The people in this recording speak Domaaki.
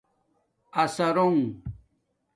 اَثرݸنݣ